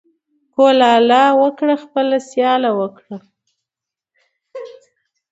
ـ کولاله وکړه خپله سياله وکړه.